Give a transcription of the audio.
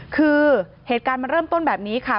คือเหตุการณ์มันเริ่มต้นแบบนี้ค่ะ